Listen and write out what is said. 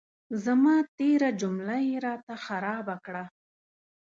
زما تېره جمله یې را ته خرابه کړه.